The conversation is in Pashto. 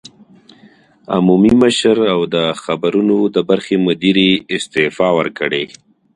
عمومي مشر او د خبرونو د برخې مدیرې استعفی ورکړې